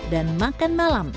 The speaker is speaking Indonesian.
dan makan malam